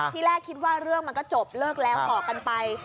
ที่แรกคิดว่าเรื่องมันก็จบเลิกแล้วต่อกันไป